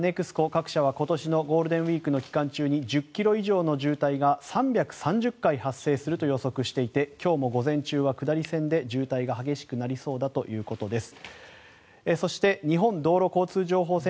各社は今年のゴールデンウィークの期間中に１０ｋｍ以上の渋滞が３３０回発生すると予測していて今日も午前中は下り線で渋滞が激しくなりそうだということです。